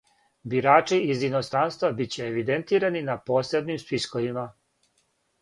Бирачи из иностранства биће евидентирани на посебним списковима.